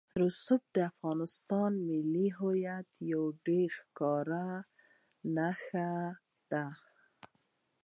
رسوب د افغانستان د ملي هویت یوه ډېره ښکاره نښه ده.